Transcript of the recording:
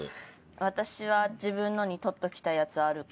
私は自分のに取っておきたいやつある。